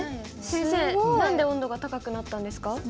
先生何で温度が高くなったんですか？